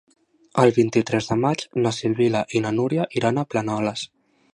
El vint-i-tres de maig na Sibil·la i na Núria iran a Planoles.